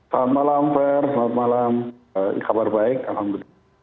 selamat malam fair selamat malam kabar baik alhamdulillah